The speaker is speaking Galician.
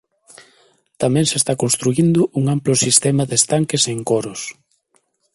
Tamén se está construíndo un amplo sistema de estanques e encoros.